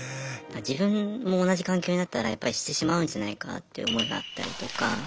自分も同じ環境になったらやっぱしてしまうんじゃないかっていう思いがあったりとか。